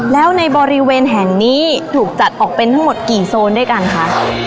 แล้วในบริเวณแห่งนี้ถูกจัดออกเป็นทั้งหมดกี่โซนด้วยกันคะ